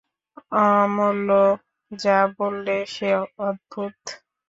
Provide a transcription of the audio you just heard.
অমূল্য যা বললে সে অদ্ভুত।